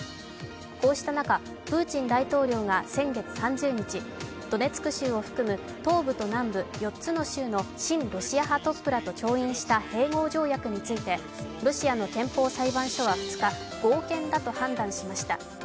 こうした中、プーチン大統領が先月３０日、ドネツク州を含む東部と南部４つの州の親ロシア派トップらと調印した併合条約についてロシアの憲法裁判所は２日、合憲だと判断しました。